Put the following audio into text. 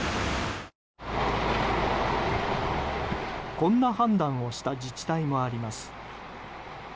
こんな判断をした自治体もあります。